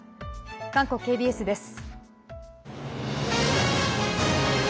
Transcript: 韓国ＫＢＳです。